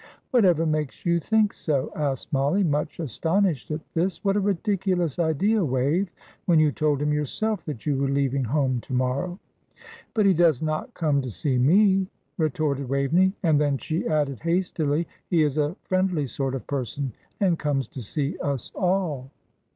"Whatever makes you think so?" asked Mollie, much astonished at this. "What a ridiculous idea, Wave! when you told him yourself that you were leaving home to morrow." "But he does not come to see me," retorted Waveney; and then she added, hastily, "he is a friendly sort of person, and comes to see us all."